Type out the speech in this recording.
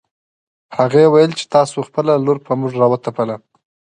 هغې ويل چې تاسو خپله لور په موږ راوتپله